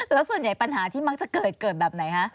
แล้วส่วนใหญ่ปัญหาที่มักจะเกิดเกิดแบบไหนคะ